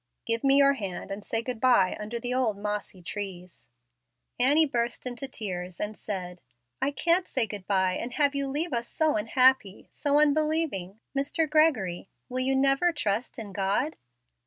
Give me your hand, and say good by under the old mossy trees." Annie burst into tears and said, "I can't say good by and have you leave us so unhappy so unbelieving. Mr. Gregory, will you never trust in God?"